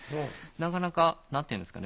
なかなか何て言うんですかね。